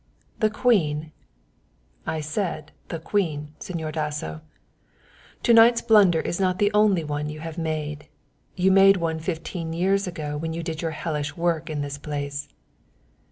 "The Queen?" "I said 'the Queen,' Señor Dasso. To night's blunder is not the only one you have made you made one fifteen years ago when you did your hellish work in this palace."